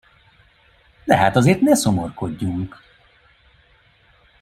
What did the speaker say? De hát azért ne szomorkodjunk!